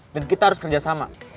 dan kita harus kerjasama